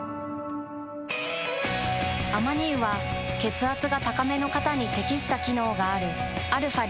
アマニ油は血圧が高めの方に適した機能があるαー